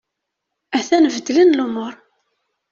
A-t-an beddlen lumur.